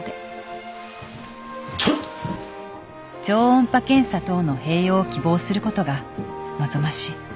「超音波検査等の併用を希望することが望ましい」